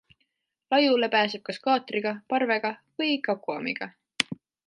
Laiule pääseb kas kaatriga, parvega või kakuamiga.